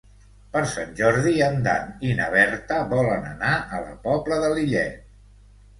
Per Sant Jordi en Dan i na Berta volen anar a la Pobla de Lillet.